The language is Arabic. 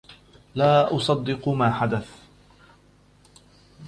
لا أصدق ما حدث.